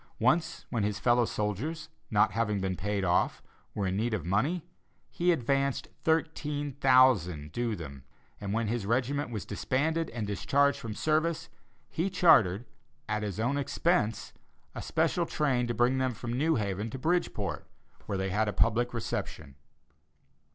Once when his fellow soldiers, not having been paid off, were in need of money, he advanced $13,000 due them, and when his regiment was disbanded and discharged from service, he chartered, at his own expense, a special train to bring them from New Haven to Bridgeport, where they had a public reception.